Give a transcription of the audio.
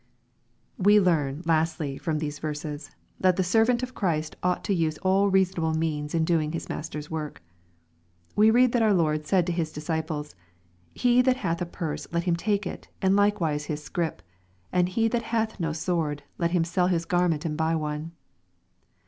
We learn, lastly, from these ver^if^a. that the servant of Christ ought to use all reasonable means in doing his Master's work. We read that our Lord said to His dis ciples, "He that hath a purse, let him take it, and like wise his scrip ; and he that hath no sword, let him sell his garment and buy one."